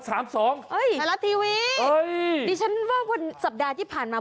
อ๋อสามสองเทศทีวีเดี๋ยวฉันว่าก่อนสัปดาห์ที่ผ่านมา